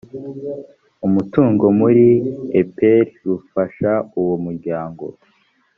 umutungo muri epr rufasha uwo muryango